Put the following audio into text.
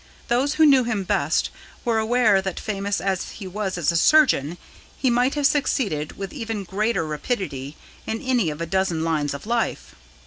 Those who knew him best were aware that famous as he was as a surgeon, he might have succeeded with even greater rapidity in any of a dozen lines of life.